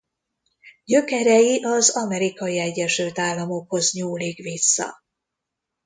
Gyökerei az Amerikai Egyesült Államokhoz nyúlik vissza.